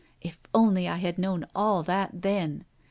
If only I had known all that then!